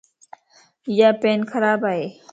ايا پين خراب ائي.